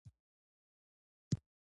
لومړی اصل د پلانګذارۍ اهداف ټاکل دي.